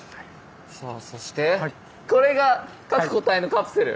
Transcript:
さあそしてこれが各個体のカプセル？